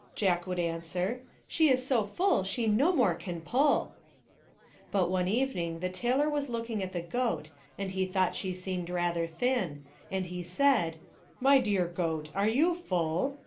" Jack would answer, " she is so fall she no more can pull/' But one evening the tailor was looking at the goat and he thought she seemed rather thin, and he said, " My dear goat, are you full